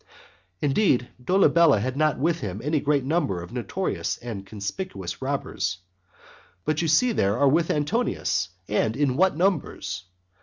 V. Indeed, Dolabella had not with him any great number of notorious and conspicuous robbers. But you see there are with Antonius, and in what numbers.